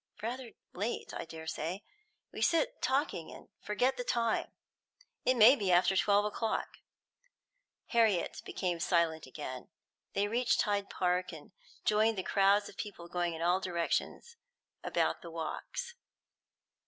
"Rather late, I dare say. We sit talking and forget the time. It may be after twelve o'clock." Harriet became silent again. They reached Hyde Park, and joined the crowds of people going in all directions about the walks.